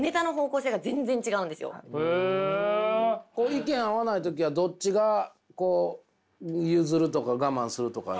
意見合わない時はどっちがこう譲るとか我慢するとか。